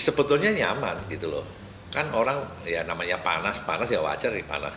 sebetulnya nyaman gitu loh kan orang ya namanya panas panas ya wajar sih panas